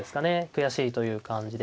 悔しいという感じで。